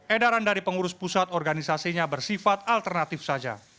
edaran dari pengurus pusat organisasinya bersifat alternatif saja